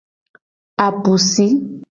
Apusi.